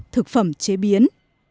thực phẩm chế biến